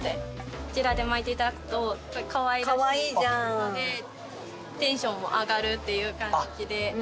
こちらで巻いていただくとかわいらしいのでテンションも上がるっていう感じで。